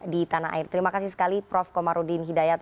di tanah air terima kasih sekali prof komarudin hidayat